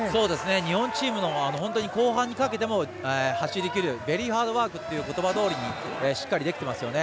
日本チームの本当に後半にかけても走りきるベリーハードワークということばどおりにしっかりできてますよね。